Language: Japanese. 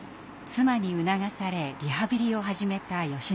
妻に促されリハビリを始めたよしのり先生。